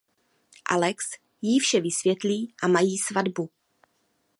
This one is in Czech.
Axel jí vše vysvětlí a mají svatbu.